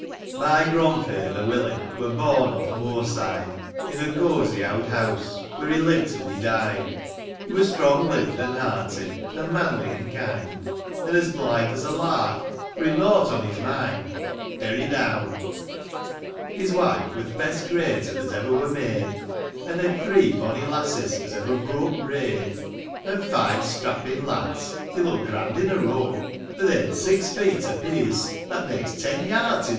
y gronfaither, Willie, VVur born o'th moorside, In a cosy owd house Where he lived till he died ; He wur strong limbed an' hearty, An' manly, an' kind ; An' as blithe as a lark, for He'd nought on his mind. Derry down. II. His wife wur th' best craiter That ever wur made ; An' they'd three bonny lasses As ever broke brade ; MY GRONFAITHER, WILLIE. 1 45 An' five strappin' lads — They looked grand in a row, For they'rn six feet apiece — That makes ten yards in o'